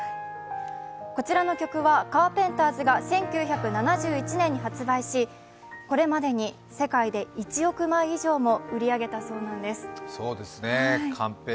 こちらの曲はカーペンターズが１９７１年に発売しこれまでに世界で１億枚以上も売り上げたそうです。